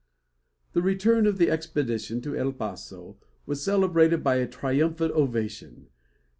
The return of the expedition to El Paso was celebrated by a triumphant ovation.